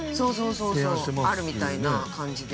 ◆そうそう、あるみたいな感じで。